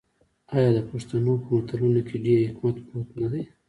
آیا د پښتنو په متلونو کې ډیر حکمت پروت نه دی؟